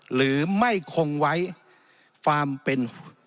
หรือไม่คงไว้ความเป็น